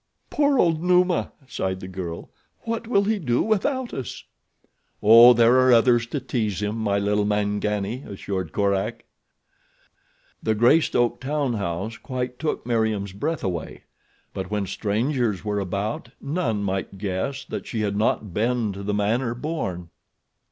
"Poor old Numa," sighed the girl. "What will he do without us?" "Oh, there are others to tease him, my little Mangani," assured Korak. The Greystoke town house quite took Meriem's breath away; but when strangers were about none might guess that she had not been to the manner born.